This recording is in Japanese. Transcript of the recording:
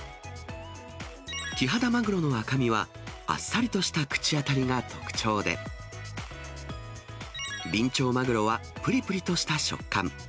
キハダマグロの赤身は、あっさりとした口当たりが特徴で、ビンチョウマグロはぷりぷりとした食感。